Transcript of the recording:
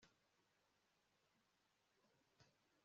kuko bavuga bati uwiteka ntaturuzi uwiteka yataye abe